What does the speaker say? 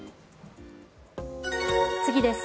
次です。